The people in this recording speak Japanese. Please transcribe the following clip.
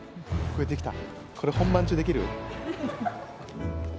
これ本番中できる？